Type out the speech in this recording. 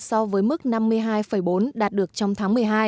so với mức năm mươi hai bốn đạt được trong tháng một mươi hai